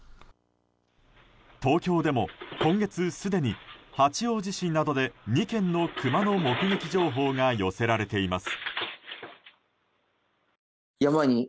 東京でも今月すでに八王子市などで２件のクマの目撃情報が寄せられています。